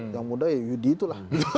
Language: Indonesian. yang muda ya yudi itulah